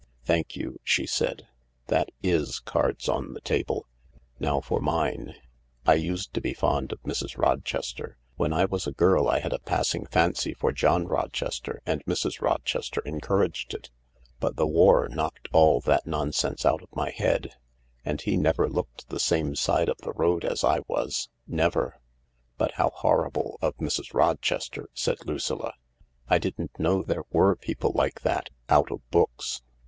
"Thank you," she said. "That is cards on the table. Now for mine. I used to be fond of Mrs. Rochester. When I was a girl I had a passing fancy for John Rochester, and Mrs. Rochester encouraged it. But the war knocked all that non sense out of my head, and he never looked the same side of the road as I was — never I "" But how horrible of Mrs. Rochester !" said Lucilla. " I didn't know there were people like that — out of books."